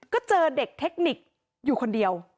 ก็เจอเด็กเทคนิคอยู่คนเดียว